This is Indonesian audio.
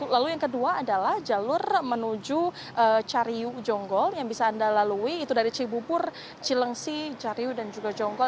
lalu yang kedua adalah jalur menuju cariw jonggol yang bisa anda lalui itu dari cibubur cilengsi cariw dan juga jonggol